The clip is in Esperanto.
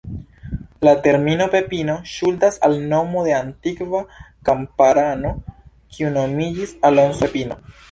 La termino "Pepino" ŝuldas al nomo de antikva kamparano kiu nomiĝis Alonso Pepino.